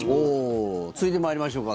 続いて参りましょうか。